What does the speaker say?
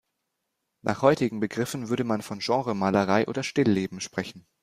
Nach heutigen Begriffen würde man von Genremalerei oder Stillleben sprechen.